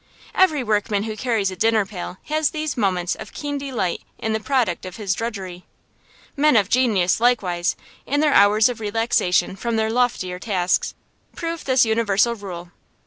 Every workman who carries a dinner pail has these moments of keen delight in the product of his drudgery. Men of genius, likewise, in their hours of relaxation from their loftier tasks, prove this universal rule.